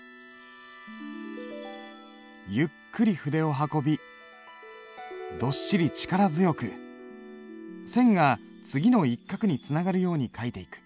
ゆっくり筆を運びどっしり力強く線が次の一画につながるように書いていく。